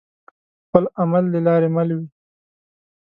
خپل عمل دلاري مل وي